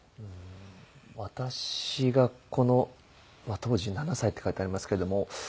私がこの当時７歳って書いてありますけれども。